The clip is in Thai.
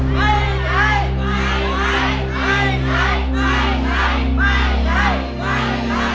ไม่ใช้